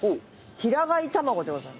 平飼いたまごでございます。